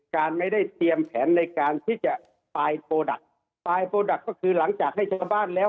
การไม่ได้เตรียมแผนในการที่จะปลายโปรดักต์ปลายโปรดักต์ก็คือหลังจากให้ชาวบ้านแล้ว